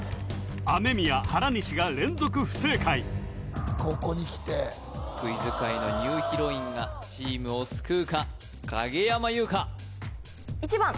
雨宮原西が連続不正解ここにきてクイズ界のニューヒロインがチームを救うか影山優佳